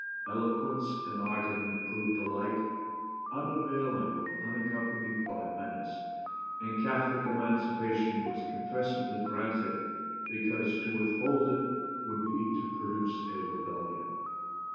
Eloquence and argument proved alike unavailing when unaccompanied by menace, and Catholic Emancipation was confessedly granted because to withhold it would be to produce a rebellion."